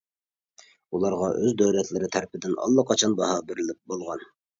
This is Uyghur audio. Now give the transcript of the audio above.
ئۇلارغا ئۆز دۆلەتلىرى تەرىپىدىن ئاللىقاچان باھا بېرىلىپ بولغان.